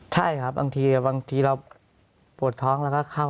ใช่ครับบางทีบางทีเราปวดท้องแล้วก็เข้า